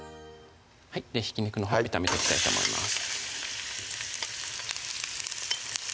ひき肉のほう炒めていきたいと思います